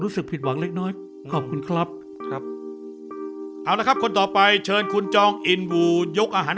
สุกแล้วค่ะ